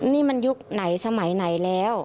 นี่มันยุคไหนสมัยไหนแล้ว